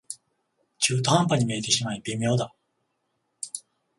中途半端に見えてしまい微妙だ